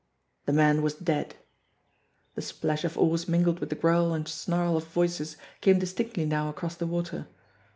The man was dead. The splash of oars mingled with the growl and snarl of voices came distinctly now across the water.